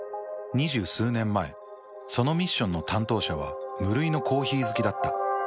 ２０数年前そのミッションの担当者は無類のコーヒー好きだった。